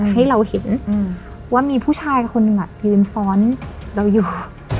ให้เราเห็นว่ามีผู้ชายคนหนึ่งยืนซ้อนเราอยู่